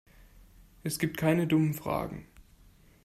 Es gibt keine dummen Fragen.